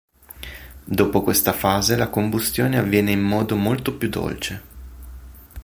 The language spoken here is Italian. Dopo questa fase la combustione avviene in modo molto più dolce.